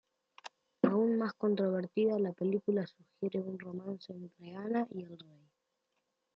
Aún más controvertida, la película sugiere un romance entre Anna y el Rey.